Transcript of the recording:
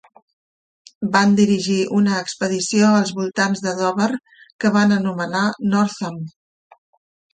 Van dirigir una expedició als voltants de Dover que van anomenar Northam.